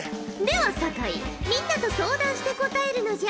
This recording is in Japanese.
では酒井みんなと相談して答えるのじゃ。